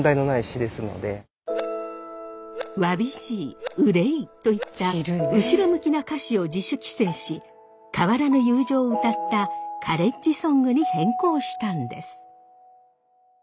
「わびしい」「憂い」といった後ろ向きな歌詞を自主規制し変わらぬ友情を歌ったカレッジソングに変更したんです。